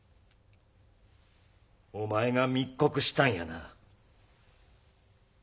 お前が密告したんやな。